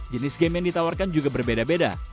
jenis game yang ditawarkan juga berbeda beda